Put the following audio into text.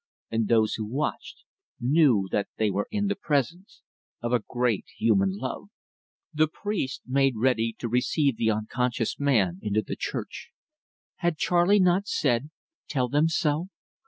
And those who watched knew that they were in the presence of a great human love. The priest made ready to receive the unconscious man into the Church. Had Charley not said, "Tell them so?"